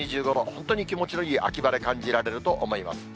本当に気持ちのいい秋晴れ感じられると思います。